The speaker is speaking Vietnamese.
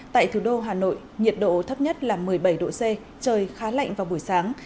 tại thủ đô hà nội nhiệt độ thấp nhất là một mươi bảy độ c trời khá lạnh vào buổi sáng